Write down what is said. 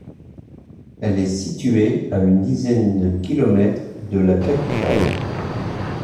Elle est située à une dizaine de kilomètres de la capitale.